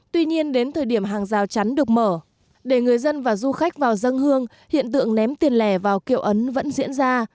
tuy nhiên đến thời điểm hàng rào chắn được mở để người dân và du khách vào dân hương hiện tượng ném tiền lẻ vào kiệu ấn vẫn diễn ra